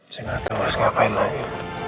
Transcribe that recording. saya nggak tahu harus ngapain lagi